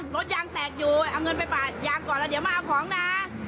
รถยางแตกอยู่เอาเงินไปปาดยางก่อนแล้วเดี๋ยวมาเอาของนะ